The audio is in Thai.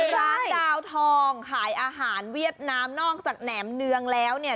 ดาวทองขายอาหารเวียดนามนอกจากแหนมเนืองแล้วเนี่ย